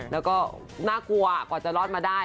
แล้วก็น่ากลัวกว่าจะรอดมาได้